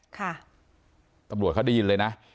ตำรวจเขาได้ยินเลยนะ